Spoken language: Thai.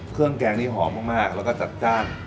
เครื่องแกงนี้หอมมากแล้วก็จัดจ้าน